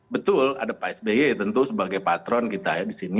betul ada pak sby tentu sebagai patron kita ya di sini